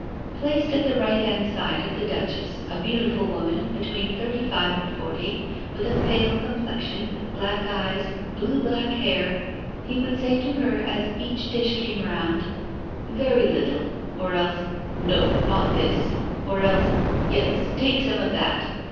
Placed at the right hand side of the Duchess, a beautiful woman of between thirty five and forty, with a pale complexion, black eyes, blue black hair, he would say to her as each dish came round: "Very little," or else, "No, not this," or else, "Yes, take some of that."